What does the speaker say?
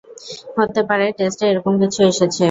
হতে পারে টেস্টে এরকম কিছু এসেছে।